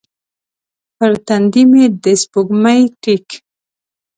پر تندې مې د سپوږمۍ ټیک